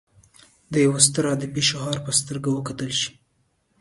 د یوه ستر ادبي شهکار په سترګه وکتل شي.